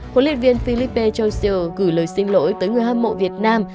huấn luyện viên felipe châu siêu gửi lời xin lỗi tới người hâm mộ việt nam